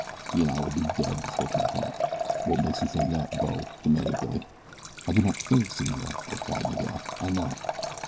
He and I will be dead before ten o'clock." "What makes you think that, bo?" demanded Billy. "I do not think, senor," replied Miguel; "I know."